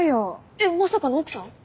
えっまさかの奥さん！？